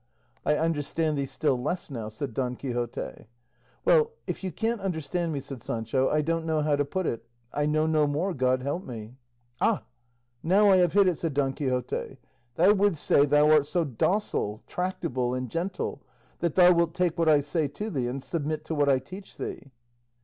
"I understand thee still less now," said Don Quixote. "Well, if you can't understand me," said Sancho, "I don't know how to put it; I know no more, God help me." "Oh, now I have hit it," said Don Quixote; "thou wouldst say thou art so docile, tractable, and gentle that thou wilt take what I say to thee, and submit to what I teach thee."